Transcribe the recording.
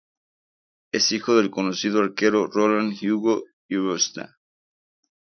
Es hijo del conocido arquero Rolando Hugo Irusta.